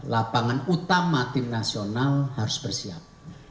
lapangan utama tim nasional harus bersiap